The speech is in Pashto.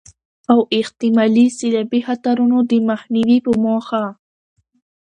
او احتمالي سيلابي خطرونو د مخنيوي په موخه